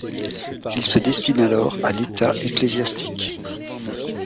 Il se destine alors à l'état ecclésiastique.